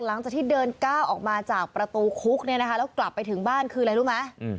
หลังจากที่เดินก้าวออกมาจากประตูคุกเนี่ยนะคะแล้วกลับไปถึงบ้านคืออะไรรู้ไหม